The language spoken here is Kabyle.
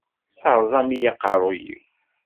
Teṛẓamt-iyi aqeṛṛuy-iw.